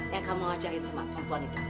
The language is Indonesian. yang kamu ajarin sama perempuan itu